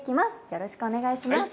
よろしくお願いします。